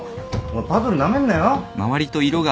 パズルなめんなよ。